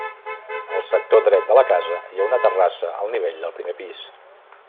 Al sector dret de la casa hi ha una terrassa al nivell del primer pis.